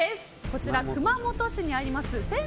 こちら熊本市にあります